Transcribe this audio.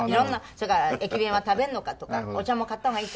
それから駅弁は食べるのかとかお茶も買った方がいいかとか。